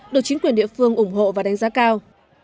được chính quyền địa phương ủng hộ và đánh giá cao